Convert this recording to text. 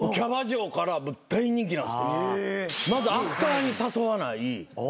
まずアフターに誘わない。